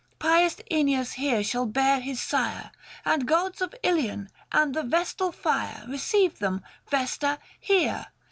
Pius iEneas here shall bear his sire, 555 And gods of Ilion, and the Vestal fire, Receive them, Vesta, here